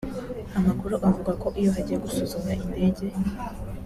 Amakuru avuga ko iyo hagiye gusuzumwa indege